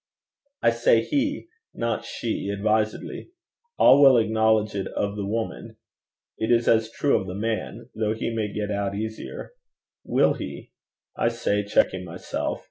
I say he, not she, advisedly. All will acknowledge it of the woman: it is as true of the man, though he may get out easier. Will he? I say, checking myself.